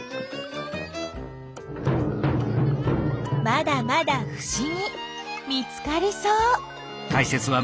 まだまだふしぎ見つかりそう！